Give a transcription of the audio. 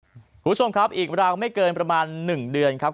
คุณผู้ชมครับอีกราวไม่เกินประมาณ๑เดือนครับ